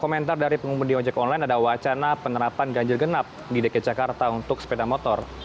komentar dari pengemudi ojek online ada wacana penerapan ganjil genap di dki jakarta untuk sepeda motor